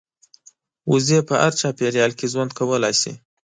وزې په هر چاپېریال کې ژوند کولی شي